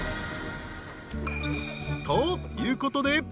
［ということで］